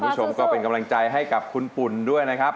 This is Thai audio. คุณผู้ชมก็เป็นกำลังใจให้กับคุณปุ่นด้วยนะครับ